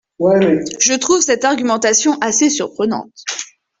Je trouve cette argumentation assez surprenante.